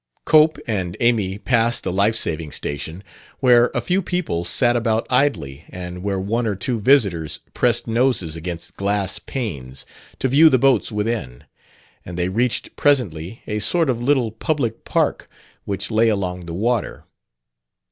Cope and Amy passed the life saving station, where a few people sat about idly and where one or two visitors pressed noses against glass panes to view the boats within; and they reached presently a sort of little public park which lay along the water.